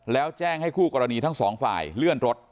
แล้วแจ้งให้คู่กรณีทั้งสองฝ่ายเลื่อนรถ